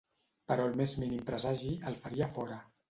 Però al més mínim presagi, el faria fora.